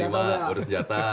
itu baru senjata